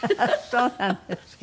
そうなんですか。